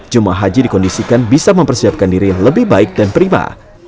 jemaah haji dikondisikan bisa mempersiapkan diri lebih baik dan prima